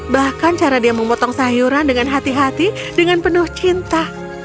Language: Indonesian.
bahkan cara dia memotong sayuran dengan hati hati dengan penuh cinta